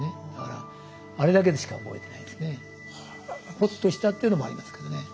ほっとしたっていうのもありますけどね。